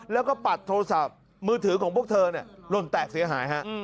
แล้วก็ปัดโทรศัพท์มือถือของพวกเธอหล่นแตกเสียหายฮะ